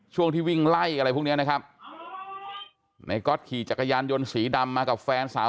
ช่วงที่วิ่งไล่อะไรพวกนี้นะครับในก๊อตขี่จักรยานยนต์สีดำมากับแฟนสาว